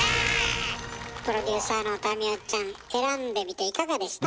プロデューサーの民生ちゃん選んでみていかがでした？